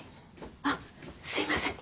あすいません。